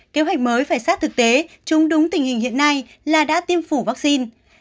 kế hoạch mới phải sát thực tế chúng đúng tình hình hiện nay là đã tiêm phủ vaccine